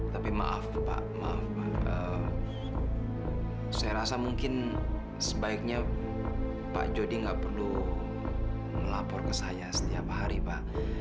tapi maaf pak maaf saya rasa mungkin sebaiknya pak jody tidak perlu melapor ke saya setiap hari pak